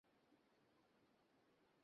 তবেই তো মহৎ কার্য সাধিত হয়।